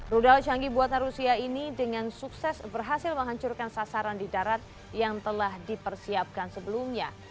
rudal canggih buatan rusia ini dengan sukses berhasil menghancurkan sasaran di darat yang telah dipersiapkan sebelumnya